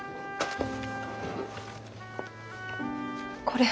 これ。